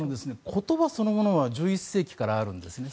言葉そのものは１１世紀からあるんですね。